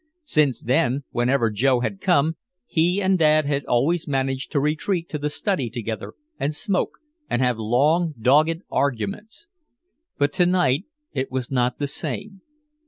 Since then, whenever Joe had come, he and Dad had always managed to retreat to the study together and smoke and have long dogged arguments. But to night it was not the same.